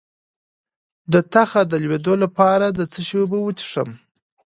د تخه د لوییدو لپاره د څه شي اوبه وڅښم؟